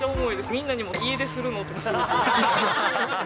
みんなにも、家出するの？とか。